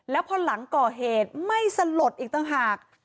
แล้วพอหลังก่อเหตุไม่สลดอีกต่างหาก